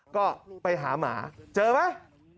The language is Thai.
ก็ไปหาหมาเจอมั้ย